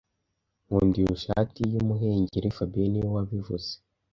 Nkunda iyo shati y'umuhengeri fabien niwe wabivuze